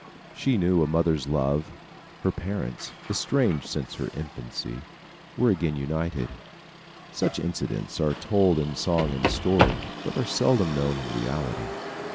She knew a mother's love. Her parents, estranged since her infancy, were again united. Such incidents are told in song and story, but are seldom known in reality.